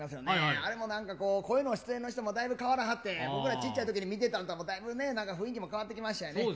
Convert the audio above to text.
あれもなんか声の出演の人もだいぶ変わりはって、僕らちっちゃいときに見てたのとだいぶね、なんか雰囲気が変わってきましたよね。